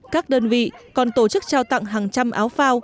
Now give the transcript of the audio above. các đơn vị còn tổ chức trao tặng hàng trăm áo phao